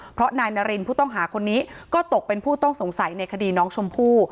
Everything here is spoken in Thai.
เพราะนายนารินผู้ต้องหาคนนี้ก็ตกเป็นผู้ต้องสงสัยในคดีน้องชมพู่